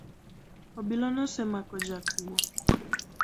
Obila nosemako jakuo